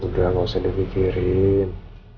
udah enggak usah dipikirin